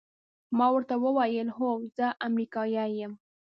ما ورته وویل: هو، زه امریکایی یم.